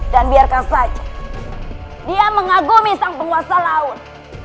dan biarkan saja dia mengagumi sang penguasa laut